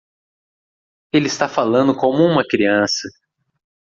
Ele está falando como uma criança.